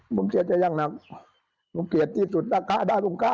อืมผมเชื่อจะยั่งหนังผมเกลียดที่สุดน่าค่ะน่าลูกค่ะ